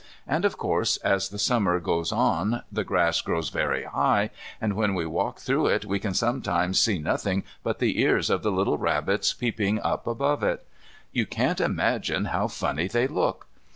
And of course as the Summer goes on the grass grows very high, and when we walk through it we can sometimes see nothing but the ears of the little rabbits peeping up above it. You can't imagine how funny they look.